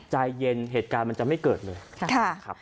ใจเย็นเหตุการณ์มันจะไม่เกิดเลยนะครับ